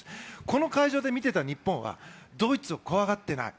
この会場で見てた日本はドイツを怖がってない。